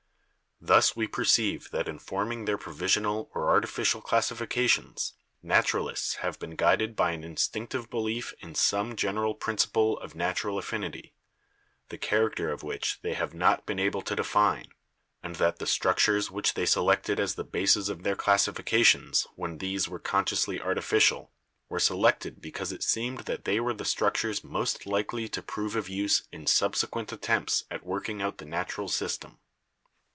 Thus we perceive that in forming their provisional or artificial classifications, naturalists have been guided by an instinctive belief in some general prin ciple of natural affinity, the character of which they have not been able to define, and that the structures which they selected as the bases of their classifications when these were consciously artificial were selected because it seemed that they were the structures most likely to prove of use in subsequent attempts at working out the natural system.